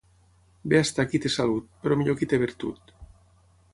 Bé està qui té salut, però millor qui té virtut.